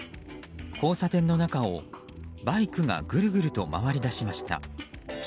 交差点の中をバイクがぐるぐると回り出しました。